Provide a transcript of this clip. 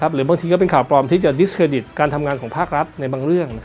หรือบางทีก็เป็นข่าวปลอมที่จะดิสเครดิตการทำงานของภาครัฐในบางเรื่อง